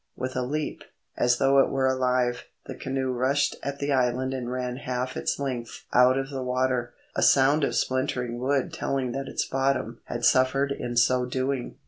With a leap, as though it were alive, the canoe rushed at the island and ran half its length out of the water, a sound of splintering wood telling that its bottom had suffered in so doing.